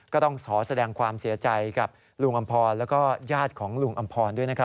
ก็ต้องขอแสดงความเสียใจกับลุงอำพรแล้วก็ญาติของลุงอำพรด้วย